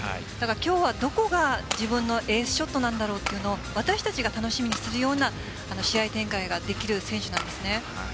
今日は、どこが自分のエースショットなんだろうというのを私たちが楽しみにするような試合展開ができる選手なんですね。